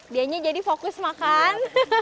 dianya jadi fokus makan